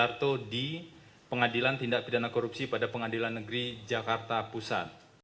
harto di pengadilan tindak pidana korupsi pada pengadilan negeri jakarta pusat